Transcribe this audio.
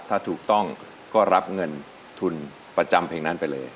ถ้าถูกต้องก็รับเงินทุนประจำเพลงนั้นไปเลย